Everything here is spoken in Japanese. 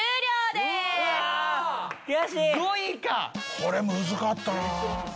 これむずかったな。